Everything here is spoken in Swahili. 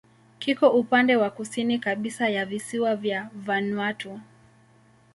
Kiko upande wa kusini kabisa wa visiwa vya Vanuatu.